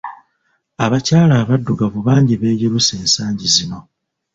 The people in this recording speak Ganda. Abakyala abaddugavu bangi beeyerusa ensangi zino.